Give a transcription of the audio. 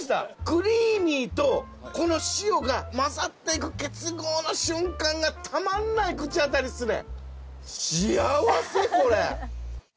クリーミーとこの塩が混ざっていく結合の瞬間がたまんない口当たりですね。